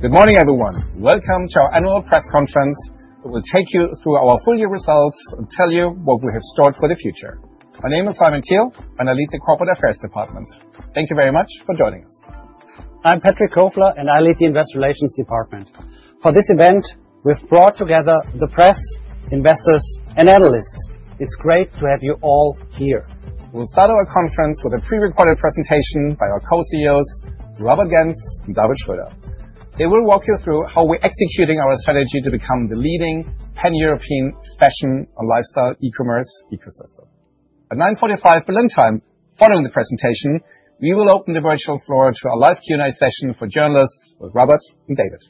Good morning, everyone. Welcome to our annual press conference. We will take you through our full year results and tell you what we have in store for the future. My name is Simon Thiel, and I lead the Corporate Affairs Department. Thank you very much for joining us. I'm Patrick Kofler, and I lead the Investor Relations Department. For this event, we've brought together the press, investors, and analysts. It's great to have you all here. We'll start our conference with a pre-recorded presentation by our co-CEOs, Robert Gentz and David Schröder. They will walk you through how we're executing our strategy to become the leading pan-European fashion and lifestyle e-commerce ecosystem. At 9:45 A.M. Berlin Time, following the presentation, we will open the virtual floor to a live Q&A session for journalists with Robert and David.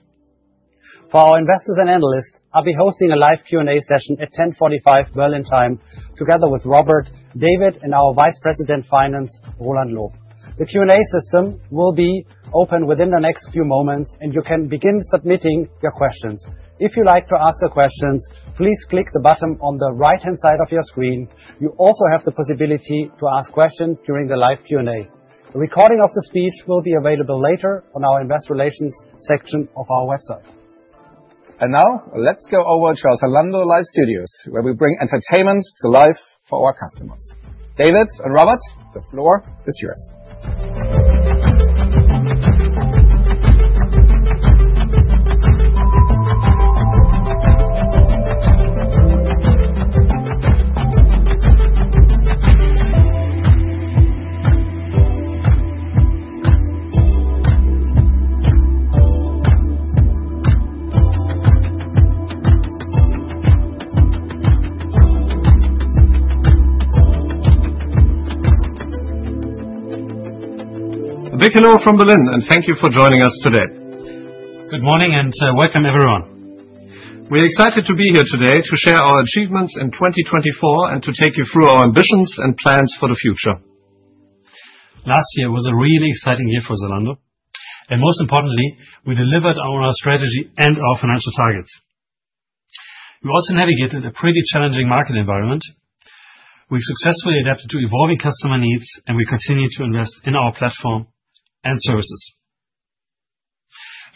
For our investors and analysts, I'll be hosting a live Q&A session at 10:45 A.M. Berlin Time together with Robert, David, and our Vice President of Finance, Roeland Loof. The Q&A system will be open within the next few moments, and you can begin submitting your questions. If you'd like to ask your questions, please click the button on the right-hand side of your screen. You also have the possibility to ask questions during the live Q&A. A recording of the speech will be available later on our Investor Relations section of our website. Now, let's go over to our Zalando Live Studios, where we bring entertainment to life for our customers. David and Robert, the floor is yours. A big hello from Berlin, and thank you for joining us today. Good morning and welcome, everyone. We're excited to be here today to share our achievements in 2024 and to take you through our ambitions and plans for the future. Last year was a really exciting year for Zalando, and most importantly, we delivered on our strategy and our financial targets. We also navigated a pretty challenging market environment. We've successfully adapted to evolving customer needs, and we continue to invest in our platform and services.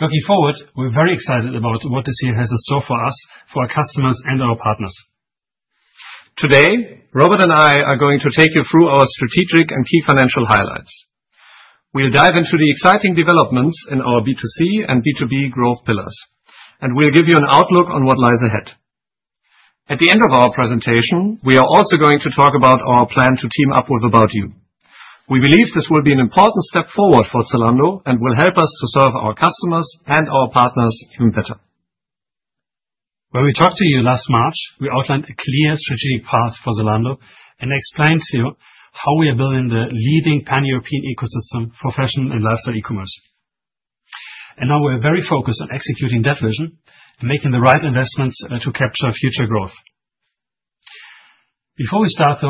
Looking forward, we're very excited about what this year has in store for us, for our customers, and our partners. Today, Robert and I are going to take you through our strategic and key financial highlights. We'll dive into the exciting developments in our B2C and B2B growth pillars, and we'll give you an outlook on what lies ahead. At the end of our presentation, we are also going to talk about our plan to team up with About You. We believe this will be an important step forward for Zalando and will help us to serve our customers and our partners even better. When we talked to you last March, we outlined a clear strategic path for Zalando and explained to you how we are building the leading pan-European ecosystem for fashion and lifestyle e-commerce, and now we're very focused on executing that vision and making the right investments to capture future growth. Before we start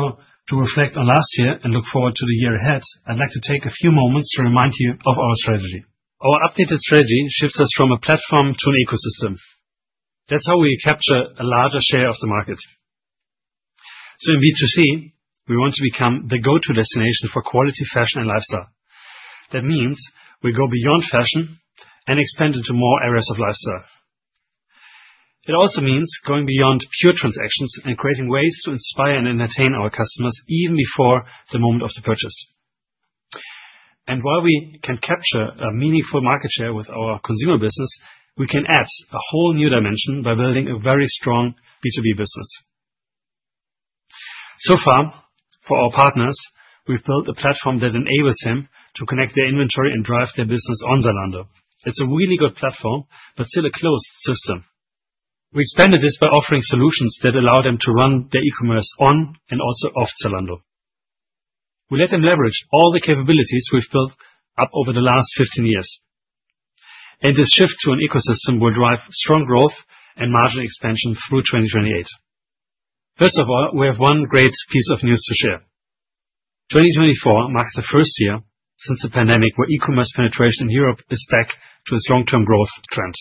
to reflect on last year and look forward to the year ahead, I'd like to take a few moments to remind you of our strategy. Our updated strategy shifts us from a platform to an ecosystem. That's how we capture a larger share of the market. So in B2C, we want to become the go-to destination for quality fashion and lifestyle. That means we go beyond fashion and expand into more areas of lifestyle. It also means going beyond pure transactions and creating ways to inspire and entertain our customers even before the moment of the purchase. And while we can capture a meaningful market share with our consumer business, we can add a whole new dimension by building a very strong B2B business. So far, for our partners, we've built a platform that enables them to connect their inventory and drive their business on Zalando. It's a really good platform, but still a closed system. We expanded this by offering solutions that allow them to run their e-commerce on and also off Zalando. We let them leverage all the capabilities we've built up over the last 15 years. And this shift to an ecosystem will drive strong growth and margin expansion through 2028. First of all, we have one great piece of news to share. 2024 marks the first year since the pandemic where e-commerce penetration in Europe is back to its long-term growth trend.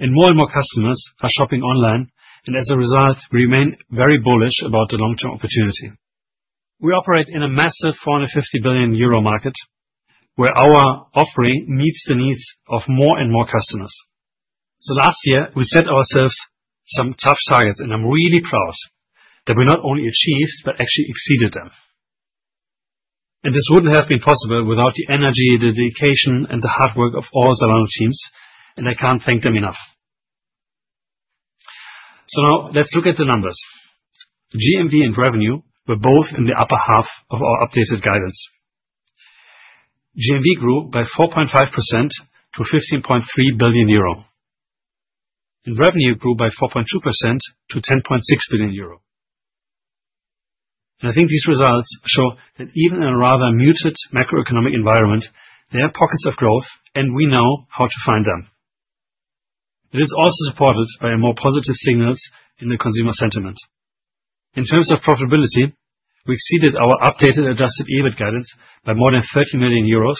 And more and more customers are shopping online, and as a result, we remain very bullish about the long-term opportunity. We operate in a massive 450 billion euro market where our offering meets the needs of more and more customers. So last year, we set ourselves some tough targets, and I'm really proud that we not only achieved but actually exceeded them. And this wouldn't have been possible without the energy, the dedication, and the hard work of all Zalando teams, and I can't thank them enough. So now let's look at the numbers. GMV and revenue were both in the upper half of our updated guidance. GMV grew by 4.5% to 15.3 billion euro, and revenue grew by 4.2% to 10.6 billion euro. And I think these results show that even in a rather muted macroeconomic environment, there are pockets of growth, and we know how to find them. It is also supported by more positive signals in the consumer sentiment. In terms of profitability, we exceeded our updated adjusted EBIT guidance by more than 30 million euros,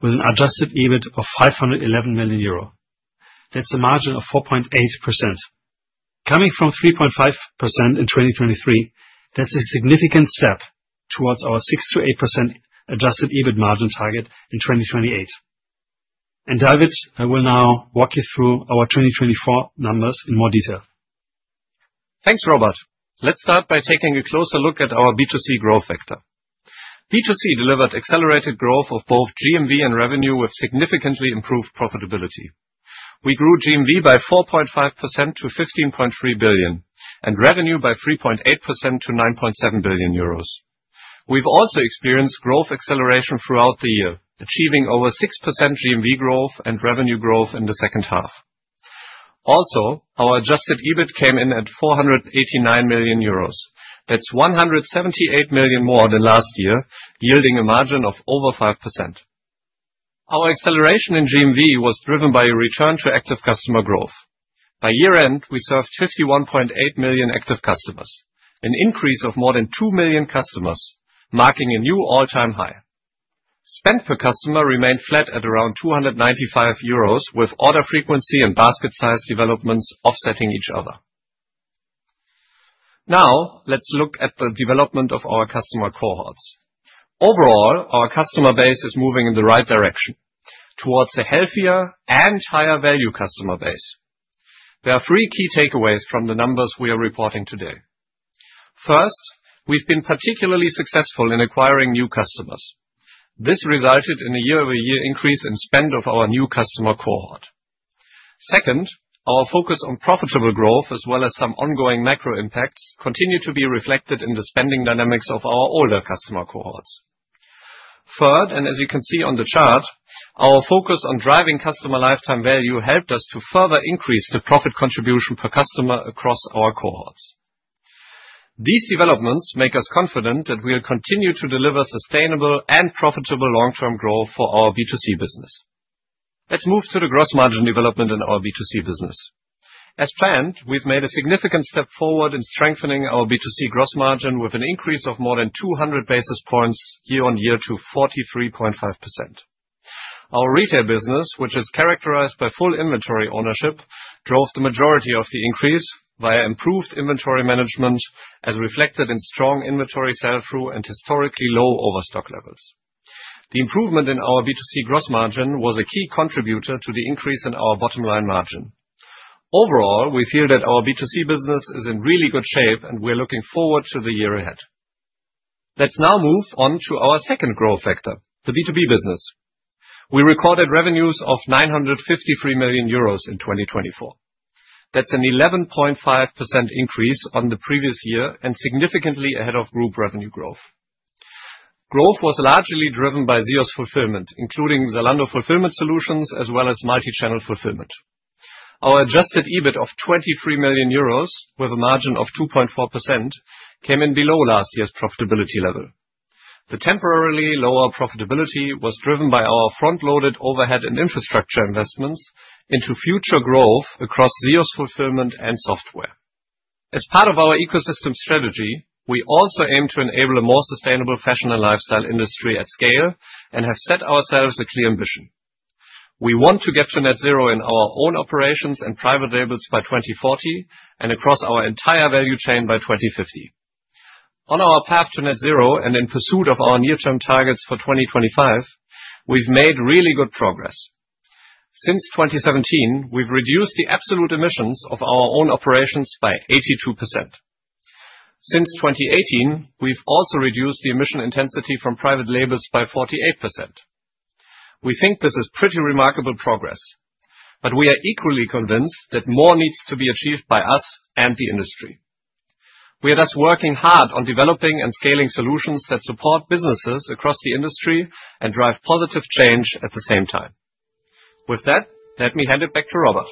with an adjusted EBIT of 511 million euro. That's a margin of 4.8%. Coming from 3.5% in 2023, that's a significant step towards our 6%-8% adjusted EBIT margin target in 2028. And David, I will now walk you through our 2024 numbers in more detail. Thanks, Robert. Let's start by taking a closer look at our B2C growth vector. B2C delivered accelerated growth of both GMV and revenue with significantly improved profitability. We grew GMV by 4.5% to 15.3 billion and revenue by 3.8% to 9.7 billion euros. We've also experienced growth acceleration throughout the year, achieving over 6% GMV growth and revenue growth in the second half. Also, our adjusted EBIT came in at 489 million euros. That's 178 million more than last year, yielding a margin of over 5%. Our acceleration in GMV was driven by a return to active customer growth. By year-end, we served 51.8 million active customers, an increase of more than two million customers, marking a new all-time high. Spend per customer remained flat at around 295 euros, with order frequency and basket size developments offsetting each other. Now, let's look at the development of our customer cohorts. Overall, our customer base is moving in the right direction towards a healthier and higher-value customer base. There are three key takeaways from the numbers we are reporting today. First, we've been particularly successful in acquiring new customers. This resulted in a year-over-year increase in spend of our new customer cohort. Second, our focus on profitable growth, as well as some ongoing macro impacts, continues to be reflected in the spending dynamics of our older customer cohorts. Third, and as you can see on the chart, our focus on driving customer lifetime value helped us to further increase the profit contribution per customer across our cohorts. These developments make us confident that we'll continue to deliver sustainable and profitable long-term growth for our B2C business. Let's move to the gross margin development in our B2C business. As planned, we've made a significant step forward in strengthening our B2C gross margin with an increase of more than 200 basis points year-on-year to 43.5%. Our retail business, which is characterized by full inventory ownership, drove the majority of the increase via improved inventory management as reflected in strong inventory sell-through and historically low overstock levels. The improvement in our B2C gross margin was a key contributor to the increase in our bottom line margin. Overall, we feel that our B2C business is in really good shape, and we're looking forward to the year ahead. Let's now move on to our second growth vector, the B2B business. We recorded revenues of 953 million euros in 2024. That's an 11.5% increase on the previous year and significantly ahead of group revenue growth. Growth was largely driven by ZEOS Fulfillment, including Zalando Fulfillment Solutions, as well as multi-channel fulfillment. Our adjusted EBIT of 23 million euros, with a margin of 2.4%, came in below last year's profitability level. The temporarily lower profitability was driven by our front-loaded overhead and infrastructure investments into future growth across ZEOS Fulfillment and software. As part of our ecosystem strategy, we also aim to enable a more sustainable fashion and lifestyle industry at scale and have set ourselves a clear ambition. We want to get to net zero in our own operations and private labels by 2040 and across our entire value chain by 2050. On our path to net zero and in pursuit of our near-term targets for 2025, we've made really good progress. Since 2017, we've reduced the absolute emissions of our own operations by 82%. Since 2018, we've also reduced the emission intensity from private labels by 48%. We think this is pretty remarkable progress, but we are equally convinced that more needs to be achieved by us and the industry. We are thus working hard on developing and scaling solutions that support businesses across the industry and drive positive change at the same time. With that, let me hand it back to Robert.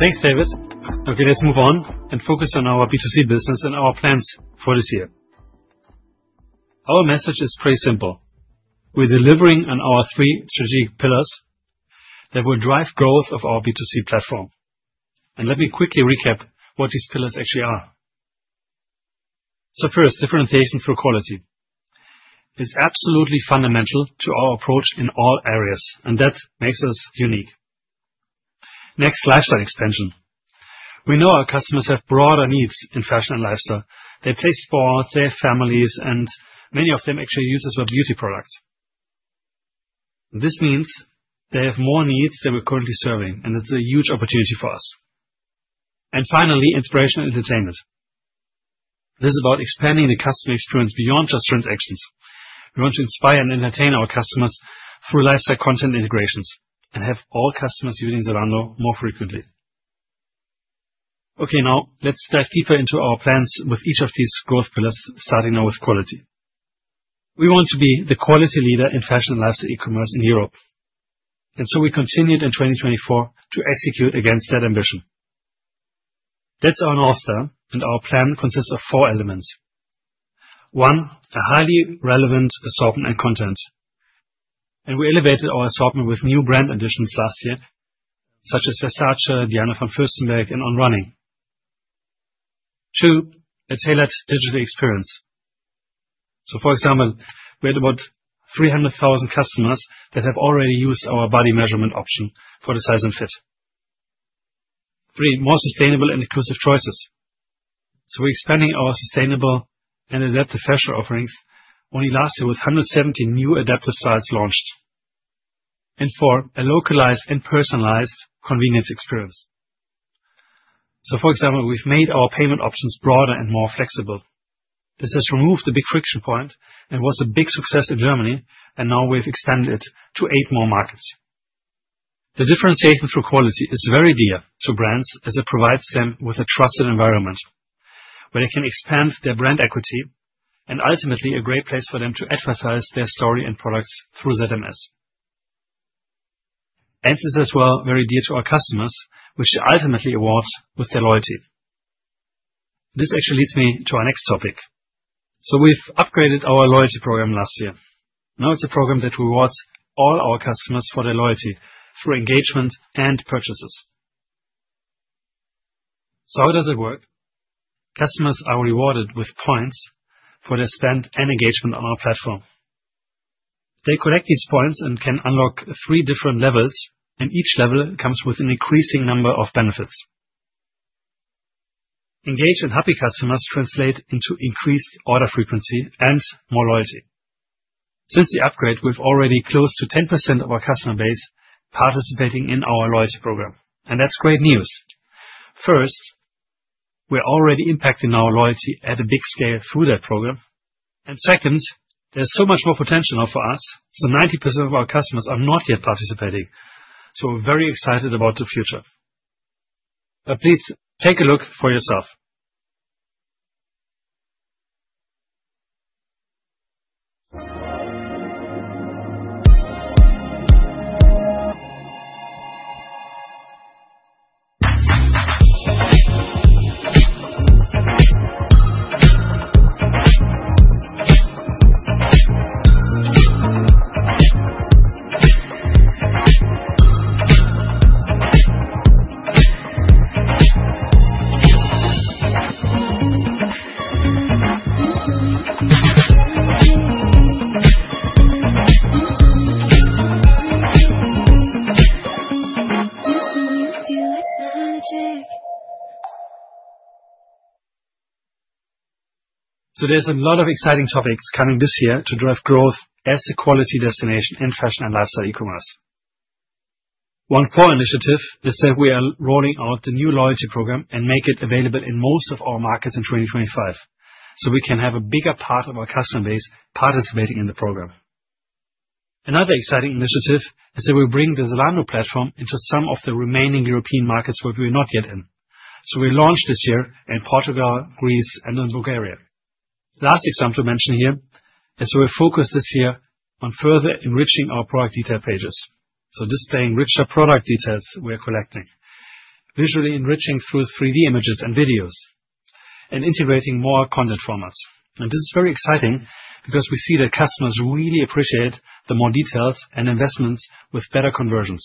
Thanks, David. Okay, let's move on and focus on our B2C business and our plans for this year. Our message is pretty simple. We're delivering on our three strategic pillars that will drive growth of our B2C platform. And let me quickly recap what these pillars actually are. So first, differentiation through quality. It's absolutely fundamental to our approach in all areas, and that makes us unique. Next, lifestyle expansion. We know our customers have broader needs in fashion and lifestyle. They play sports, they have families, and many of them actually use us for beauty products. This means they have more needs than we're currently serving, and it's a huge opportunity for us. And finally, inspiration and entertainment. This is about expanding the customer experience beyond just transactions. We want to inspire and entertain our customers through lifestyle content integrations and have all customers using Zalando more frequently. Okay, now let's dive deeper into our plans with each of these growth pillars, starting now with quality. We want to be the quality leader in fashion and lifestyle e-commerce in Europe. And so we continued in 2024 to execute against that ambition. That's our North Star, and our plan consists of four elements. One, a highly relevant assortment and content. And we elevated our assortment with new brand additions last year, such as Versace, Diane von Furstenberg, and On Running. Two, a tailored digital experience. So for example, we had about 300,000 customers that have already used our body measurement option for the size and fit. Three, more sustainable and inclusive choices. So we're expanding our sustainable and adaptive fashion offerings only last year with 170 new adaptive styles launched. And four, a localized and personalized convenience experience. So for example, we've made our payment options broader and more flexible. This has removed the big friction point and was a big success in Germany, and now we've expanded it to eight more markets. The differentiation through quality is very dear to brands as it provides them with a trusted environment where they can expand their brand equity and ultimately a great place for them to advertise their story and products through ZMS. And this is as well very dear to our customers, which they ultimately award with their loyalty. This actually leads me to our next topic. So we've upgraded our loyalty program last year. Now it's a program that rewards all our customers for their loyalty through engagement and purchases. So how does it work? Customers are rewarded with points for their spend and engagement on our platform. They collect these points and can unlock three different levels, and each level comes with an increasing number of benefits. Engaged and happy customers translate into increased order frequency and more loyalty. Since the upgrade, we've already close to 10% of our customer base participating in our loyalty program, and that's great news. First, we're already impacting our loyalty at a big scale through that program, and second, there's so much more potential for us, so 90% of our customers are not yet participating, so we're very excited about the future, but please take a look for yourself, so there's a lot of exciting topics coming this year to drive growth as a quality destination in fashion and lifestyle e-commerce. One core initiative is that we are rolling out the new loyalty programme and making it available in most of our markets in 2025, so we can have a bigger part of our customer base participating in the program. Another exciting initiative is that we're bringing the Zalando platform into some of the remaining European markets where we're not yet in, so we launched this year in Portugal, Greece, and in Bulgaria. Last example to mention here is that we're focused this year on further enriching our product detail pages, so displaying richer product details we're collecting, visually enriching through 3D images and videos, and integrating more content formats, and this is very exciting because we see that customers really appreciate the more details and investments with better conversions.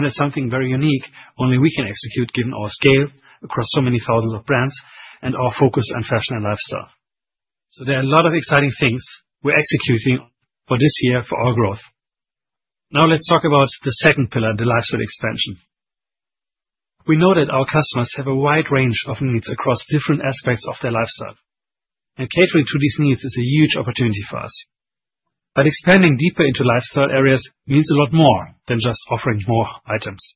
It's something very unique, only we can execute given our scale across so many thousands of brands and our focus on fashion and lifestyle. There are a lot of exciting things we're executing for this year for our growth. Now let's talk about the second pillar, the lifestyle expansion. We know that our customers have a wide range of needs across different aspects of their lifestyle. Catering to these needs is a huge opportunity for us. Expanding deeper into lifestyle areas means a lot more than just offering more items.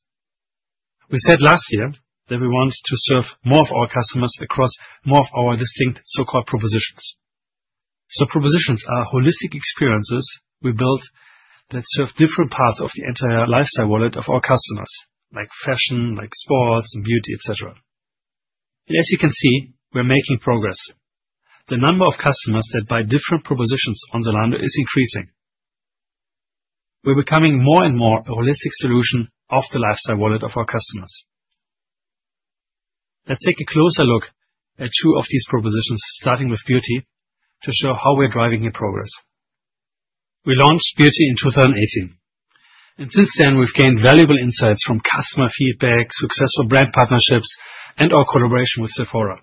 We said last year that we want to serve more of our customers across more of our distinct so-called propositions. Propositions are holistic experiences we build that serve different parts of the entire lifestyle wallet of our customers, like fashion, like sports, and beauty, etc. As you can see, we're making progress. The number of customers that buy different propositions on Zalando is increasing. We're becoming more and more a holistic solution of the lifestyle wallet of our customers. Let's take a closer look at two of these propositions, starting with beauty, to show how we're driving the progress. We launched beauty in 2018, and since then, we've gained valuable insights from customer feedback, successful brand partnerships, and our collaboration with Sephora,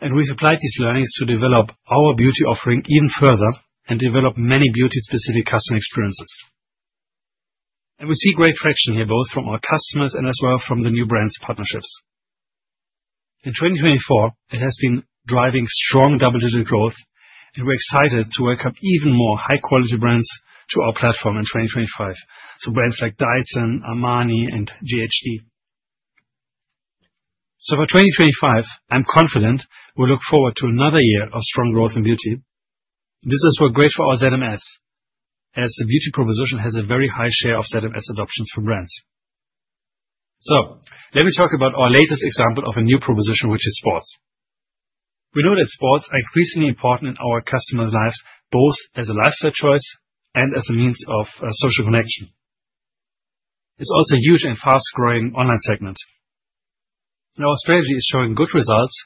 and we've applied these learnings to develop our beauty offering even further and develop many beauty-specific customer experiences. And we see great traction here, both from our customers and as well from the new brands' partnerships. In 2024, it has been driving strong double-digit growth, and we're excited to welcome even more high-quality brands to our platform in 2025, so brands like Dyson, Armani, and ghd. So for 2025, I'm confident we'll look forward to another year of strong growth in beauty. This is great for our ZMS, as the beauty proposition has a very high share of ZMS adoptions for brands. So let me talk about our latest example of a new proposition, which is sports. We know that sports are increasingly important in our customers' lives, both as a lifestyle choice and as a means of social connection. It's also a huge and fast-growing online segment. And our strategy is showing good results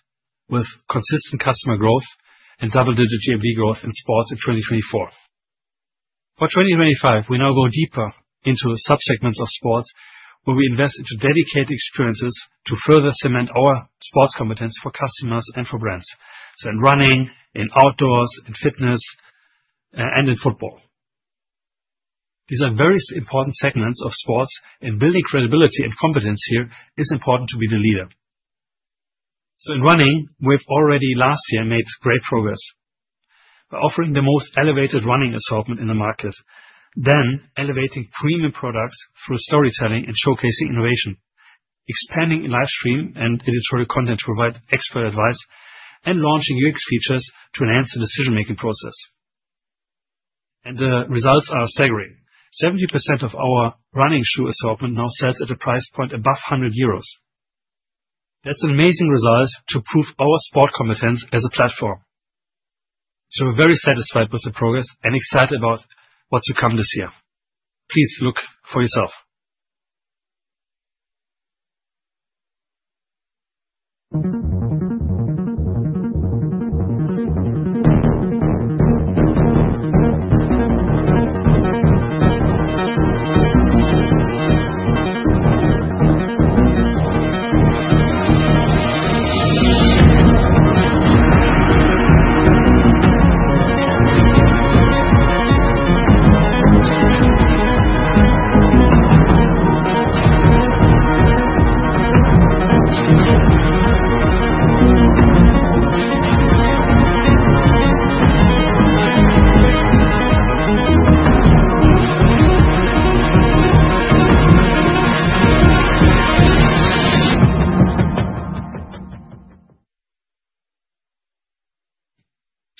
with consistent customer growth and double-digit GMV growth in sports in 2024. For 2025, we now go deeper into subsegments of sports, where we invest into dedicated experiences to further cement our sports competence for customers and for brands. So in running, in outdoors, in fitness, and in football. These are very important segments of sports, and building credibility and competence here is important to be the leader. So in running, we've already last year made great progress by offering the most elevated running assortment in the market, then elevating premium products through storytelling and showcasing innovation, expanding livestream and editorial content to provide expert advice, and launching UX features to enhance the decision-making process, and the results are staggering. 70% of our running shoe assortment now sells at a price point above 100 euros. That's an amazing result to prove our sport competence as a platform, so we're very satisfied with the progress and excited about what's to come this year. Please look for yourself,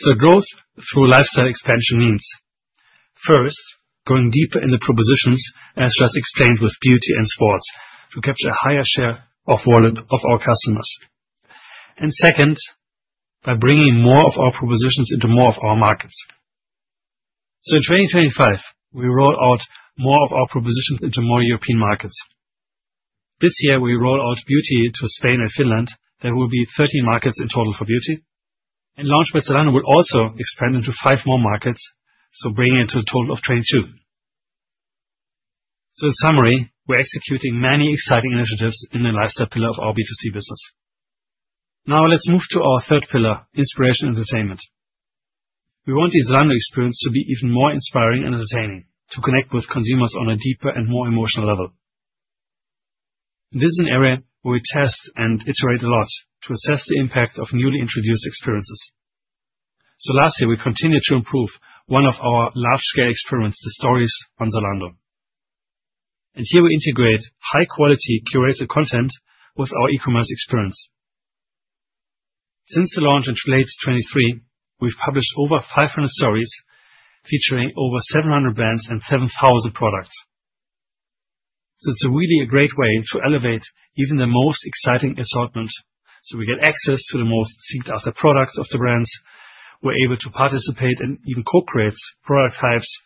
so growth through lifestyle expansion means first, going deeper in the propositions, as just explained with beauty and sports, to capture a higher share of our customers. And second, by bringing more of our propositions into more of our markets. So in 2025, we rolled out more of our propositions into more European markets. This year, we rolled out beauty to Spain and Finland. There will be 13 markets in total for beauty. And Lounge by Zalando will also expand into five more markets, so bringing it to a total of 22. So in summary, we're executing many exciting initiatives in the lifestyle pillar of our B2C business. Now let's move to our third pillar, inspiration and entertainment. We want the Zalando experience to be even more inspiring and entertaining, to connect with consumers on a deeper and more emotional level. This is an area where we test and iterate a lot to assess the impact of newly introduced experiences. So last year, we continued to improve one of our large-scale experiments, the Stories on Zalando. Here we integrate high-quality curated content with our e-commerce experience. Since the launch in late 2023, we've published over 500 stories featuring over 700 brands and 7,000 products. It's really a great way to elevate even the most exciting assortment. We get access to the most sought-after products of the brands. We're able to participate and even co-create product types.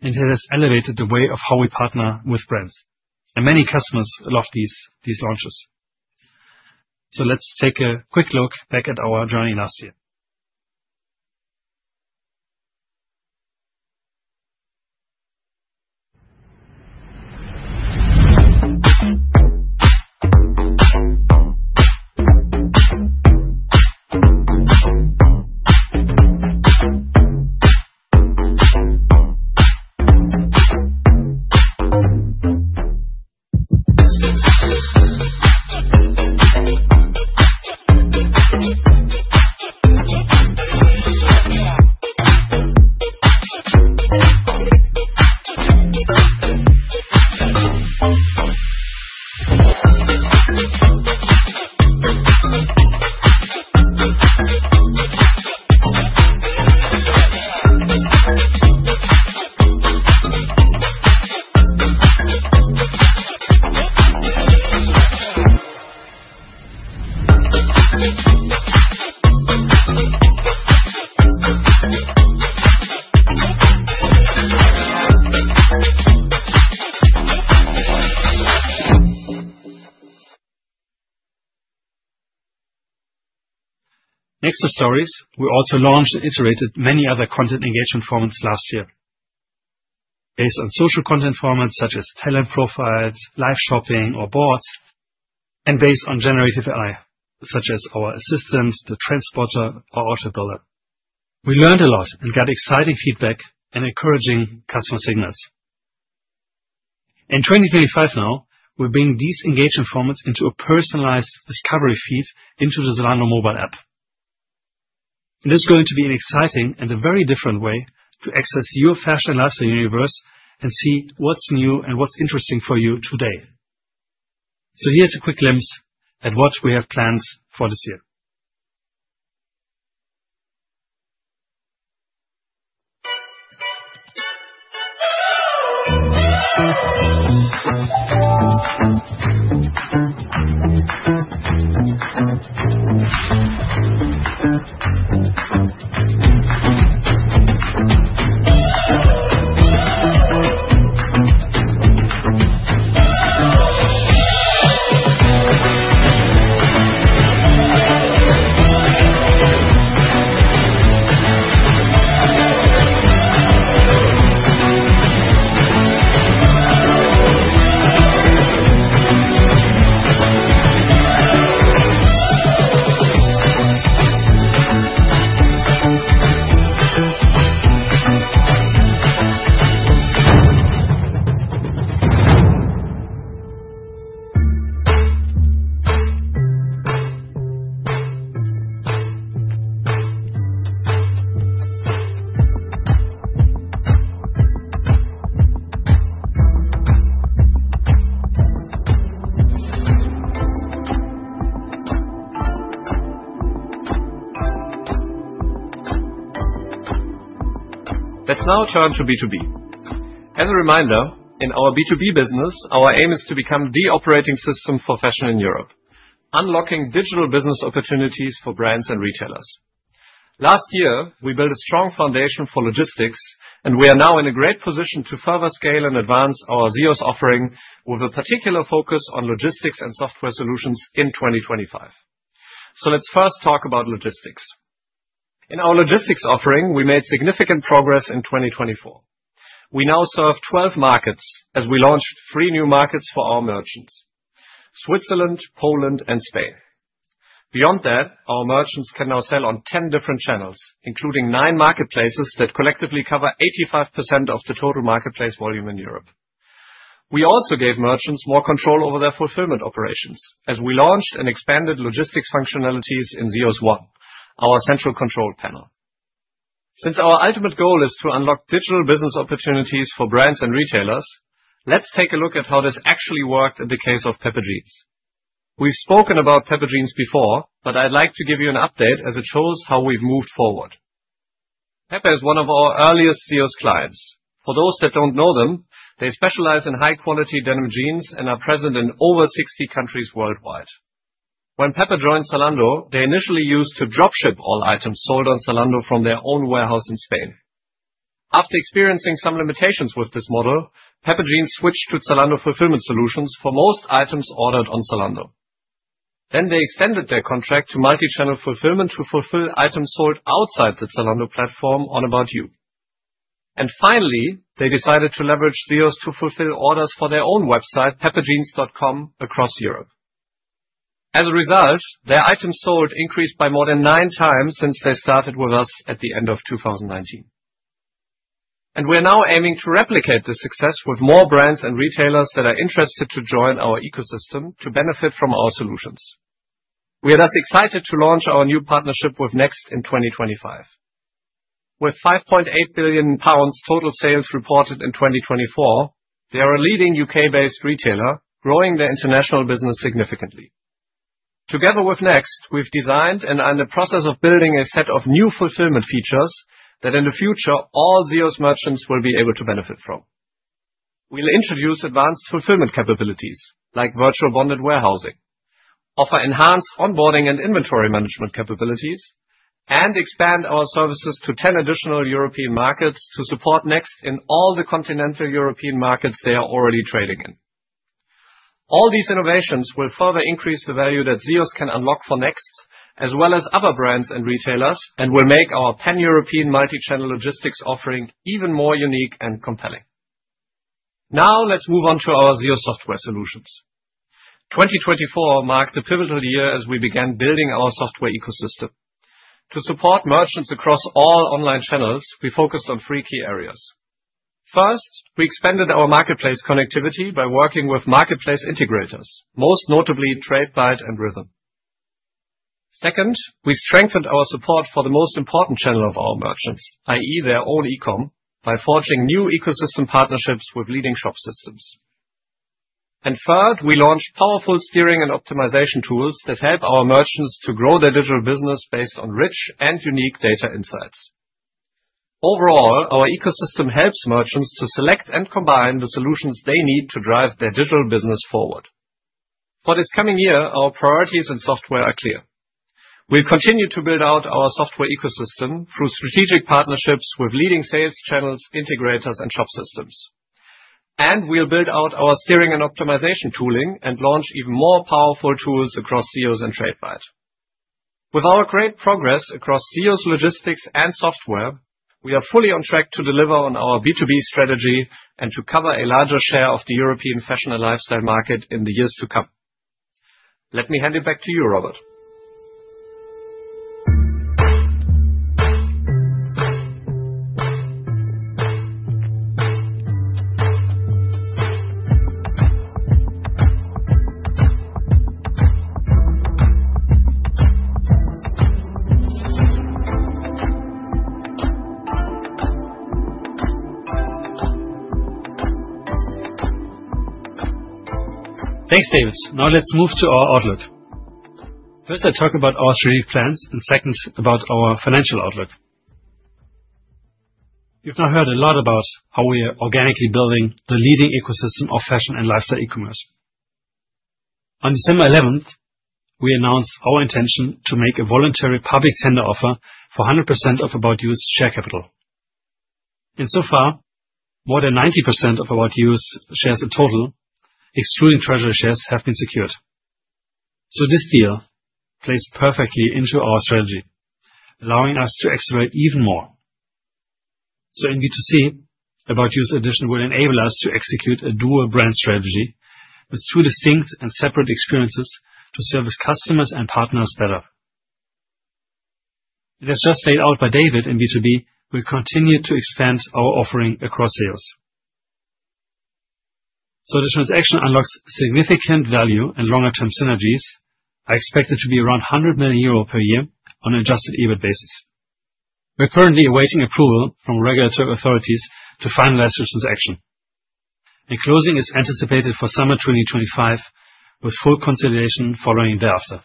It has elevated the way of how we partner with brands. Many customers love these launches. Let's take a quick look back at our journey last year. Next to stories, we also launched and iterated many other content engagement formats last year. Based on social content formats such as talent profiles, live shopping, or boards, and based on generative AI, such as our Assistant, the Trend Spotter, or Outfit Builder. We learned a lot and got exciting feedback and encouraging customer signals. In 2025, now we're bringing these engagement formats into a personalized discovery feed into the Zalando mobile app, and this is going to be an exciting and a very different way to access your fashion and lifestyle universe and see what's new and what's interesting for you today, so here's a quick glimpse at what we have planned for this year. That's now a challenge for B2B. As a reminder, in our B2B business, our aim is to become the operating system for fashion in Europe, unlocking digital business opportunities for brands and retailers. Last year, we built a strong foundation for logistics, and we are now in a great position to further scale and advance our ZEOS offering with a particular focus on logistics and software solutions in 2025, so let's first talk about logistics. In our logistics offering, we made significant progress in 2024. We now serve 12 markets as we launched three new markets for our merchants: Switzerland, Poland, and Spain. Beyond that, our merchants can now sell on 10 different channels, including nine marketplaces that collectively cover 85% of the total marketplace volume in Europe. We also gave merchants more control over their fulfillment operations as we launched and expanded logistics functionalities in ZEOS One, our central control panel. Since our ultimate goal is to unlock digital business opportunities for brands and retailers, let's take a look at how this actually worked in the case of Pepe Jeans. We've spoken about Pepe Jeans before, but I'd like to give you an update as it shows how we've moved forward. Pepe is one of our earliest ZEOS clients. For those that don't know them, they specialize in high-quality denim jeans and are present in over 60 countries worldwide. When Pepe Jeans joined Zalando, they initially used to dropship all items sold on Zalando from their own warehouse in Spain. After experiencing some limitations with this model, Pepe Jeans switched to Zalando Fulfillment Solutions for most items ordered on Zalando, then they extended their contract to multi-channel fulfillment to fulfill items sold outside the Zalando platform on About You, and finally, they decided to leverage ZEOS to fulfill orders for their own website, pepejeans.com, across Europe. As a result, their items sold increased by more than nine times since they started with us at the end of 2019, and we are now aiming to replicate this success with more brands and retailers that are interested to join our ecosystem to benefit from our solutions. We are thus excited to launch our new partnership with Next in 2025. With 5.8 billion pounds total sales reported in 2024, they are a leading U.K.-based retailer, growing their international business significantly. Together with Next, we've designed and are in the process of building a set of new fulfillment features that in the future, all ZEOS merchants will be able to benefit from. We'll introduce advanced fulfillment capabilities like virtual bonded warehousing, offer enhanced onboarding and inventory management capabilities, and expand our services to 10 additional European markets to support Next in all the continental European markets they are already trading in. All these innovations will further increase the value that ZEOS can unlock for Next, as well as other brands and retailers, and will make our pan-European multi-channel logistics offering even more unique and compelling. Now let's move on to our ZEOS software solutions. 2024 marked a pivotal year as we began building our software ecosystem. To support merchants across all online channels, we focused on three key areas. First, we expanded our marketplace connectivity by working with marketplace integrators, most notably Tradebyte and Rithum. Second, we strengthened our support for the most important channel of our merchants, i.e., their own e-comm, by forging new ecosystem partnerships with leading shop systems, and third, we launched powerful steering and optimization tools that help our merchants to grow their digital business based on rich and unique data insights. Overall, our ecosystem helps merchants to select and combine the solutions they need to drive their digital business forward. For this coming year, our priorities and software are clear. We'll continue to build out our software ecosystem through strategic partnerships with leading sales channels, integrators, and shop systems, and we'll build out our steering and optimization tooling and launch even more powerful tools across ZEOS and Tradebyte. With our great progress across ZEOS logistics and software, we are fully on track to deliver on our B2B strategy and to cover a larger share of the European fashion and lifestyle market in the years to come. Let me hand it back to you, Robert. Thanks, David. Now let's move to our outlook. First, I'll talk about our strategic plans and second, about our financial outlook. You've now heard a lot about how we are organically building the leading ecosystem of fashion and lifestyle e-commerce. On December 11th, we announced our intention to make a voluntary public tender offer for 100% of About You's share capital. Insofar as more than 90% of About You's shares in total, excluding treasury shares, have been secured. So this deal plays perfectly into our strategy, allowing us to accelerate even more. So in B2C, About You's addition will enable us to execute a dual brand strategy with two distinct and separate experiences to service customers and partners better. It has just been laid out by David. In B2B, we'll continue to expand our offering across ZEOS. So the transaction unlocks significant value and longer-term synergies. I expect it to be around 100 million euro per year on an adjusted EBIT basis. We're currently awaiting approval from regulatory authorities to finalize the transaction, and closing is anticipated for summer 2025 with full consolidation following thereafter.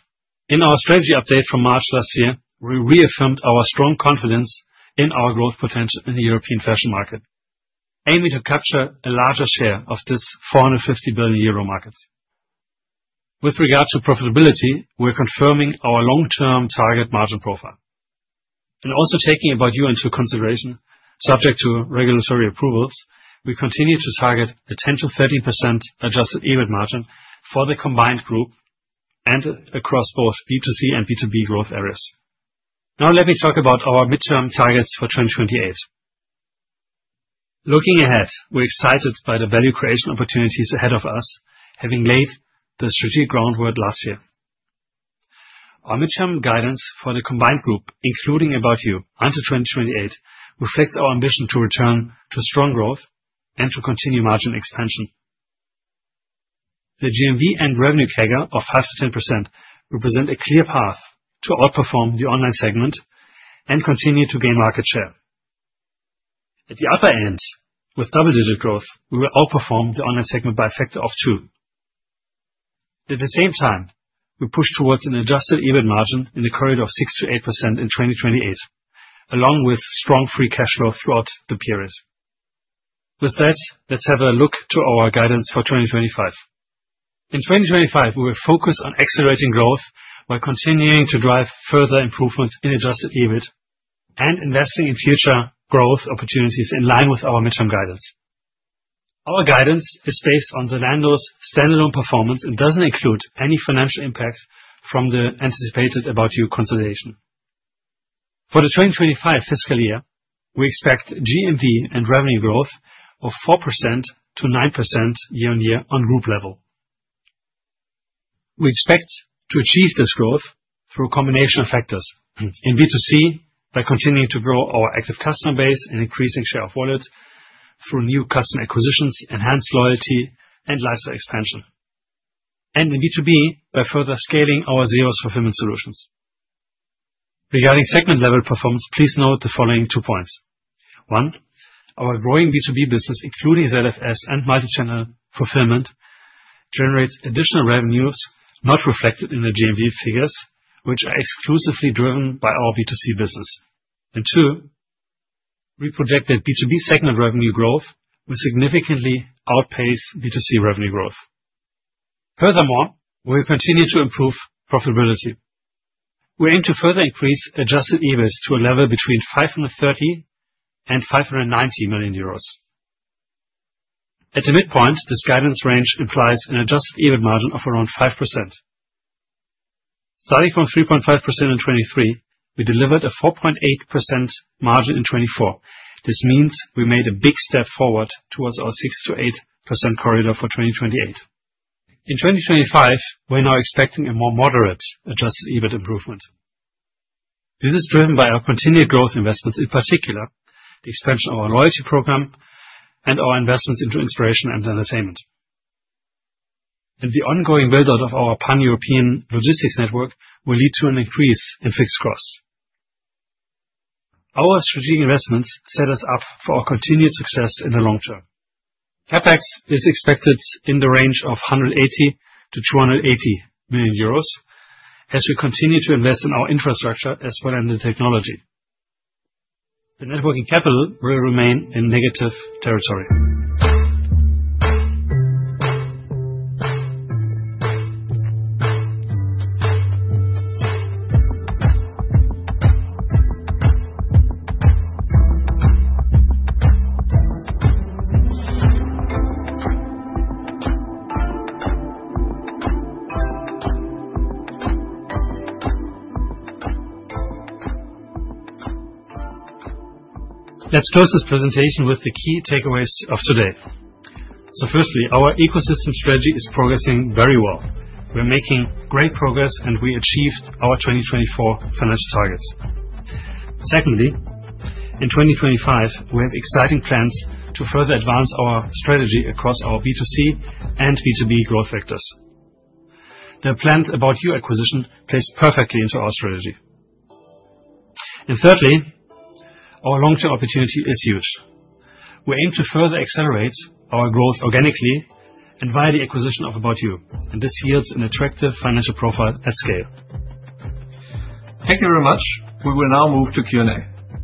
In our strategy update from March last year, we reaffirmed our strong confidence in our growth potential in the European fashion market, aiming to capture a larger share of this 450 billion euro market. With regard to profitability, we're confirming our long-term target margin profile. And also taking About You into consideration, subject to regulatory approvals, we continue to target a 10%-13% Adjusted EBIT margin for the combined group and across both B2C and B2B growth areas. Now let me talk about our midterm targets for 2028. Looking ahead, we're excited by the value creation opportunities ahead of us, having laid the strategic groundwork last year. Our midterm guidance for the combined group, including About You, until 2028, reflects our ambition to return to strong growth and to continue margin expansion. The GMV and revenue CAGR of 5%-10% represent a clear path to outperform the online segment and continue to gain market share. At the other end, with double-digit growth, we will outperform the online segment by a factor of two. At the same time, we push towards an adjusted EBIT margin in the corridor of 6%-8% in 2028, along with strong free cash flow throughout the period. With that, let's have a look at our guidance for 2025. In 2025, we will focus on accelerating growth while continuing to drive further improvements in adjusted EBIT and investing in future growth opportunities in line with our midterm guidance. Our guidance is based on Zalando's standalone performance and doesn't include any financial impact from the anticipated About You consolidation. For the 2025 fiscal year, we expect GMV and revenue growth of 4%-9% year on year on group level. We expect to achieve this growth through a combination of factors in B2C by continuing to grow our active customer base and increasing share of wallet through new customer acquisitions, enhanced loyalty, and lifestyle expansion. And in B2B, by further scaling our ZEOS Fulfillment Solutions. Regarding segment-level performance, please note the following two points. One, our growing B2B business, including ZFS and multi-channel fulfillment, generates additional revenues not reflected in the GMV figures, which are exclusively driven by our B2C business. And two, we project that B2B segment revenue growth will significantly outpace B2C revenue growth. Furthermore, we will continue to improve profitability. We aim to further increase adjusted EBIT to a level between 530 million and 590 million euros. At the midpoint, this guidance range implies an adjusted EBIT margin of around 5%. Starting from 3.5% in 2023, we delivered a 4.8% margin in 2024. This means we made a big step forward towards our 6%-8% corridor for 2028. In 2025, we're now expecting a more moderate adjusted EBIT improvement. This is driven by our continued growth investments, in particular the expansion of our loyalty program and our investments into inspiration and entertainment, and the ongoing build-out of our pan-European logistics network will lead to an increase in fixed costs. Our strategic investments set us up for our continued success in the long term. CapEx is expected in the range of 180 million-280 million euros as we continue to invest in our infrastructure as well as the technology. The net working capital will remain in negative territory. Let's close this presentation with the key takeaways of today. Firstly, our ecosystem strategy is progressing very well. We're making great progress, and we achieved our 2024 financial targets. Secondly, in 2025, we have exciting plans to further advance our strategy across our B2C and B2B growth vectors. The planned About You acquisition plays perfectly into our strategy. Thirdly, our long-term opportunity is huge. We aim to further accelerate our growth organically and via the acquisition of About You. And this yields an attractive financial profile at scale. Thank you very much. We will now move to Q&A.